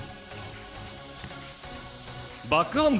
バックハンド！